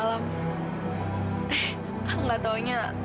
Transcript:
eh kalau nggak taunya